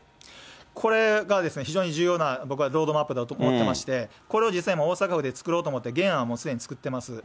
これがですね、非常に重要な、僕はロードマップだと思ってまして、これを実際、大阪府で作ろうと思って、原案はもうすでに作ってます。